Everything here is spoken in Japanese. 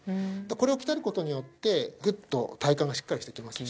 これを鍛えることによってグッと体幹がしっかりしてきますし